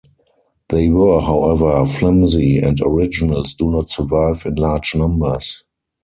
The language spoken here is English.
They were, however, flimsy, and originals do not survive in large numbers.